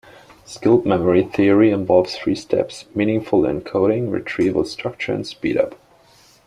Skilled memory theory involves three steps: meaningful encoding, retrieval structure, and speed-up.